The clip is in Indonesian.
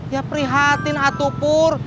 ya prihatin atuh pur